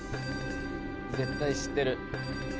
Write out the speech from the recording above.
絶対知ってる。